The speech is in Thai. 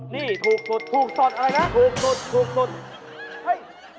นี่ถูกสุดถูกสุดอะไรนะถูกสุดถูกสุดถูกสุดถูกสุด